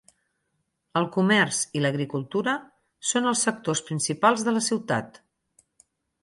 El comerç i l'agricultura són els sectors principals de la ciutat.